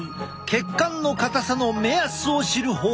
血管の硬さの目安を知る方法だ。